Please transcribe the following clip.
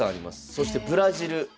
そしてブラジル。